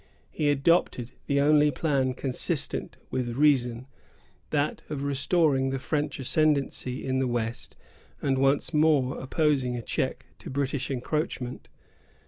He adopted the only plan consistent with reason, that of restoring the French ascendency in the west, and once more opposing a check to British encroachment.